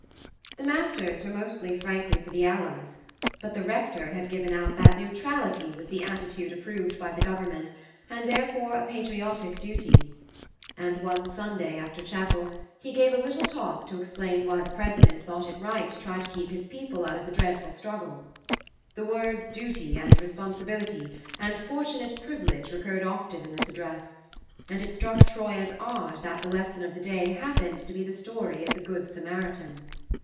The masters were mostly frankly for the Allies, but the Rector had given out that neutrality was the attitude approved by the Government, and therefore a patriotic duty ; and one Sunday after chapel he gave a little talk to explain why the President thought it right to try to keep his people out of the dread ful struggle. The words duty and responsibility and fortunate privilege recurred often in this address, and it struck Troy as odd that the lesson of the day happened to be the story of the Good Samaritan.